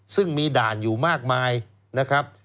ซึ่งมีด่านอยู่มากมายนะครับ